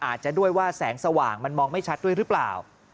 อาจจะด้วยว่าแสงสว่างมันมองไม่ชัดด้วยหรือเปล่า